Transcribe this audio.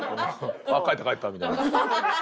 ああ帰った帰ったみたいな感じ。